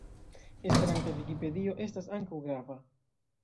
Esperanta vikipedio estas ankaŭ grava.